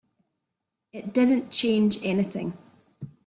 It didn't change anything.